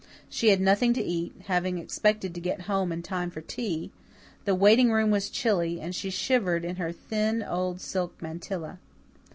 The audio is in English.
She had nothing to eat, having expected to get home in time for tea; the waiting room was chilly, and she shivered in her thin, old, silk mantilla.